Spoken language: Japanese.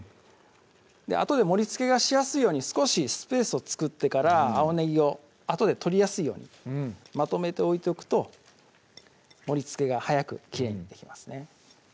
あとで盛りつけがしやすいように少しスペースを作ってから青ねぎをあとで取りやすいようにまとめて置いておくと盛りつけが早くきれいにできますね